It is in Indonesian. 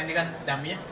ini kan damnya